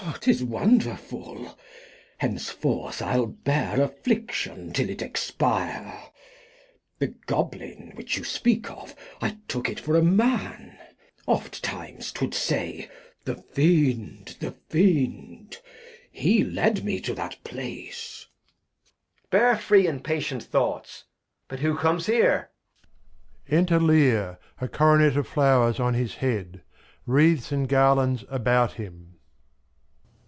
Glost. 'Tis wonderfull; henceforth I'll bear Affliction 232 The History of [Act iv 'Till it expire ; the Goblin which you speak of, I took for a Man ; oft times t'would say, The Fiend, the Fiend : He led me to that Place. Edg. Bear free and patient Thoughts ? But who comes here? Enter Lear, a Coronet of Flowers on his Head ; Wreaths, and Garlands about him.